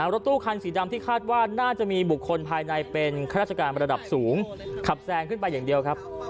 รถตู้คันสีดำที่คาดว่าน่าจะมีบุคคลภายในเป็นข้าราชการระดับสูงขับแซงขึ้นไปอย่างเดียวครับ